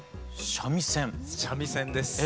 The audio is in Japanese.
三味線です。